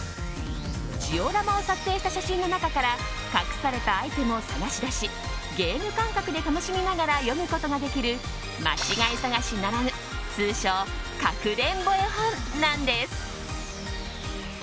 ジオラマを撮影した写真の中から隠されたアイテムを探し出しゲーム感覚で楽しみながら読むことができる間違い探しならぬ通称かくれんぼ絵本なんです。